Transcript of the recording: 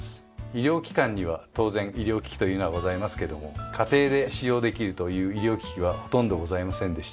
医療機関には当然医療機器というのはございますけども家庭で使用できるという医療機器はほとんどございませんでした。